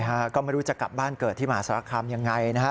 ฮะก็ไม่รู้จะกลับบ้านเกิดที่มหาสารคามยังไงนะฮะ